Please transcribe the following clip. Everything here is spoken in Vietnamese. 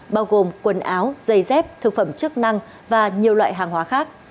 bao gồm quần áo giày dép thực phẩm chức năng và nhiều loại hàng hóa khác